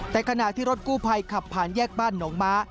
แต่ขณะที่รถกู้ภัยขับผ่านแยกบ้านหนองม้า